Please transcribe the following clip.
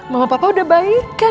mama papa udah baik kan